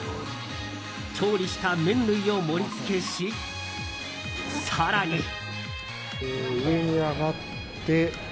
調理した麺類を盛り付けし更に。